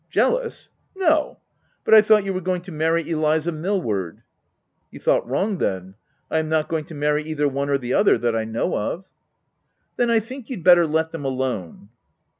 " Jealous ! no — But I thought you were going to marry Eliza Mill ward." " You thought wrong then ; I am not going to marry either one or the other— that I know of." "Then I think you'd better let them alone."